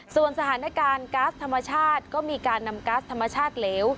ส่วนสถานการณ์ก๊าซธรรมชาติก็มีการนำก๊าซธรรมชาติเหลว